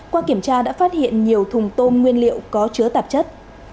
qua kiểm tra đã phát hiện nhiều thùng tôm nguyên liệu có chứa tạp chất